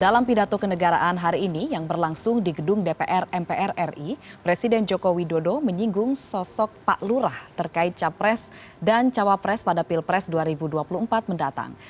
dalam pidato kenegaraan hari ini yang berlangsung di gedung dpr mpr ri presiden joko widodo menyinggung sosok pak lurah terkait capres dan cawapres pada pilpres dua ribu dua puluh empat mendatang